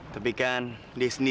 semchana kalo gua pribadi